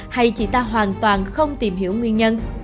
hay chị ta hoàn toàn không tìm hiểu nguyên nhân